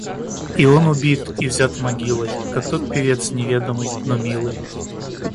И он убит — и взят могилой, Как тот певец, неведомый, но милый